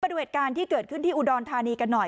ดูเหตุการณ์ที่เกิดขึ้นที่อุดรธานีกันหน่อย